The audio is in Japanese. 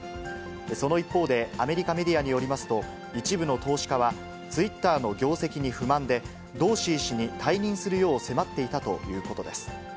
その一方でアメリカメディアによりますと、一部の投資家は、ツイッターの業績に不満で、ドーシー氏に退任するよう迫っていたということです。